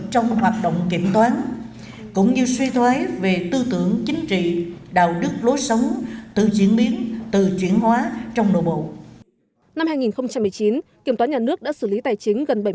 trong đó kiến nghị tăng thu ngân sách